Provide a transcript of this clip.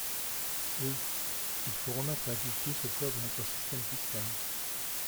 Oui, il faut remettre la justice au cœur de notre système fiscal.